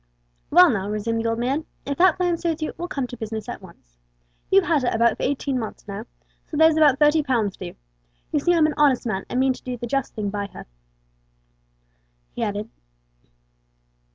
"Well now," resumed the old man, "if that plan suits you, we'll come to business at once. You've had her about eighteen months now, so there's about thirty pounds due. You see I'm an honest man, and mean to do the just thing by her," he added.